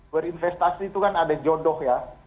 berinvestasi itu kan ada jodoh ya